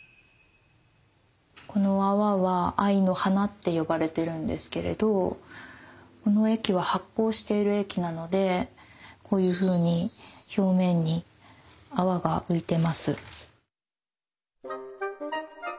この泡は藍の華って呼ばれてるんですけれどこの液は発酵している液なのでこういうふうに表面に泡が浮いてます。